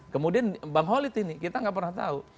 kemudian bang holid ini kita gak pernah tau